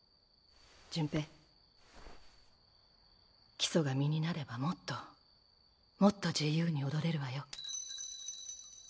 潤平基礎が身になればもっともっと自由に踊れるわよ。